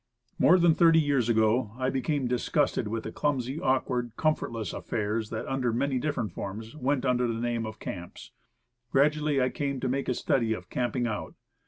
More than thirty years ago I became disgusted with the clumsy, awkward, comfortless affairs that, under many different forms, went under the name of camps. Gradually I came to make a study of "camping out."